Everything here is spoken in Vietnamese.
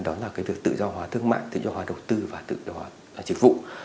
đó là tự do hóa thương mạng tự do hóa đầu tư và tự do hóa chức vụ